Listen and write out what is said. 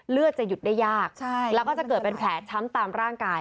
เลือดจะหยุดได้ยากแล้วก็จะเกิดเป็นแผลช้ำตามร่างกาย